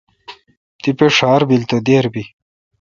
تیپہ ڄار بیل تو دیر بی۔